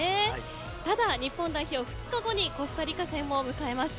ただ日本代表、２日後にコスタリカ戦を迎えます。